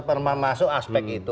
termasuk aspek itu